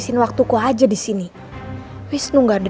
selektor saya percaya